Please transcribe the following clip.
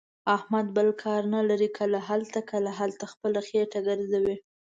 احمد بل کار نه لري. کله هلته، کله هلته، خپله خېټه ګرځوي.